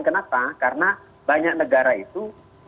kenapa karena banyak negara itu